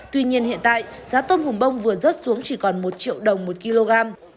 tuy nhiên hiện tại giá tôm hùm bông vừa rớt xuống chỉ còn một triệu đồng một kg